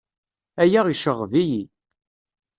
Aya iceɣɣeb-iyi.